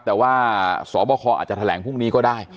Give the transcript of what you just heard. แต่ว่าสบคอาจจะแถลงพรุ่งนี้ก็ได้